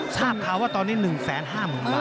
ชาติค่ะว่าตอนนี้๑แสน๕๐บาทนะ